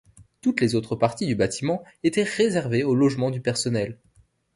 Toutes les autres parties du bâtiment étaient réservées au logement du personnel.